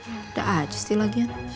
udah aja sih lagian